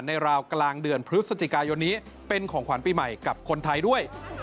ราวกลางเดือนพฤศจิกายนนี้เป็นของขวัญปีใหม่กับคนไทยด้วย